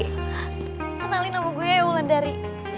kenalin nama gue ya wulan dari